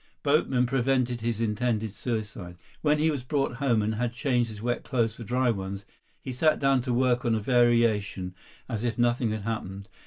Boatmen prevented his intended suicide. When he was brought home and had changed his wet clothes for dry ones, he sat down to work on a variation as if nothing had happened.